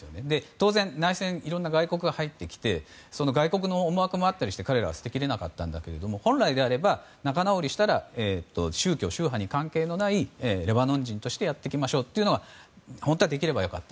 当然、内戦にいろんな外国が入ってきて、外国の思惑もあって彼らは捨てきれなかったけれども本来であれば仲直りしたら宗教、宗派に関係のないレバノン人としてやっていきましょうというのが本当はできればよかった。